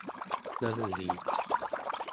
naliit?